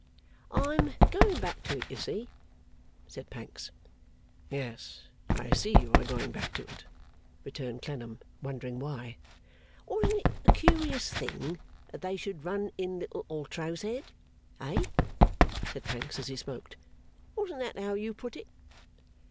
'I am going back to it, you see,' said Pancks. 'Yes. I see you are going back to it,' returned Clennam, wondering why. 'Wasn't it a curious thing that they should run in little Altro's head? Eh?' said Pancks as he smoked. 'Wasn't that how you put it?